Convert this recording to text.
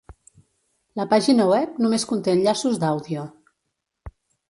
La pàgina web només conté enllaços d'àudio.